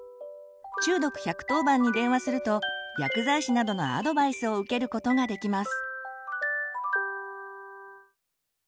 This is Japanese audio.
中毒１１０番に電話すると薬剤師などのアドバイスを受けることができます。